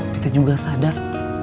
beta juga sadar